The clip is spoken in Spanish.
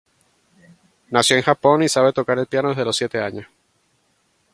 Nació en Japón y sabe tocar el piano desde los siete años.